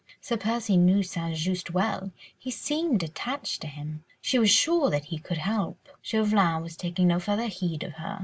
Sir Percy knew St. Just well—he seemed attached to him—she was sure that he could help. Chauvelin was taking no further heed of her.